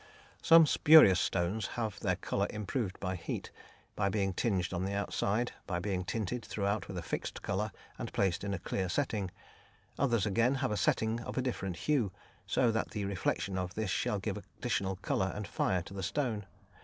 Some spurious stones have their colour improved by heat, by being tinged on the outside, by being tinted throughout with a fixed colour and placed in a clear setting; others, again, have a setting of a different hue, so that the reflection of this shall give additional colour and fire to the stone.